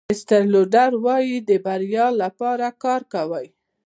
ایسټل لوډر وایي د بریا لپاره کار کوئ.